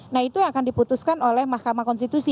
nah itu akan diputuskan oleh mahkamah konstitusi